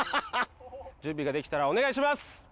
準備ができたらお願いします！